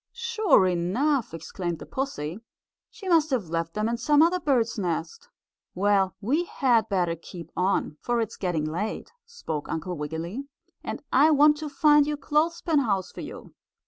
"Sure enough!" exclaimed the pussy. "She must have left them in some other bird's nest." "Well, we had better keep on, for it is getting late," spoke Uncle Wiggily, "and I want to find your clothespin house for you."